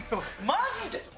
マジで？